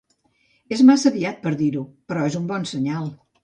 És massa aviat per a dir-ho, però és un bon senyal.